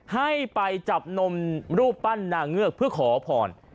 ให้ไปจับนมรูปปั้นนางเงือกเพื่อขอพร